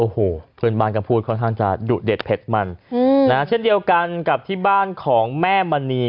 โอ้โหฝึนบ้านกำพูดค่อนข้างจะดุเด็ดเพชรมั่น